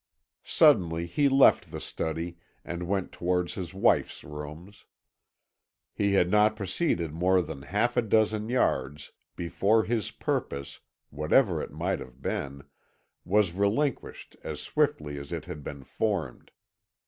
Suddenly he left the study, and went towards his wife's rooms. He had not proceeded more than half a dozen yards before his purpose, whatever it might have been, was relinquished as swiftly as it had been formed.